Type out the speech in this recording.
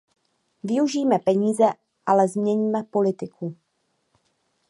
Využijme peníze, ale změňme politiku.